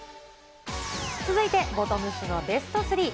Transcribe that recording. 続いて、ボトムスのベスト３。